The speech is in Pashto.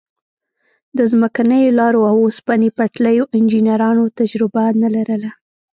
د ځمکنیو لارو او اوسپنې پټلیو انجنیرانو تجربه نه لرله.